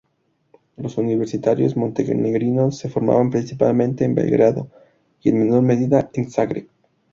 Los universitarios montenegrinos se formaban principalmente en Belgrado y, en menor medida, en Zagreb.